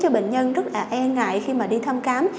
cho bệnh nhân rất là e ngại khi mà đi thăm khám